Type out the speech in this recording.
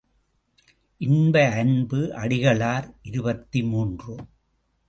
இன்ப அன்பு அடிகளார் இருபத்து மூன்று.